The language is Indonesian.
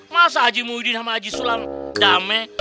masa haji muhyiddin sama haji sulam damai